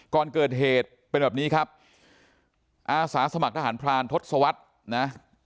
ก่อนเกิดเหตุเป็นแบบนี้ครับอาสาสมัครทหารพรานทศวรรษนะ